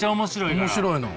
面白いの？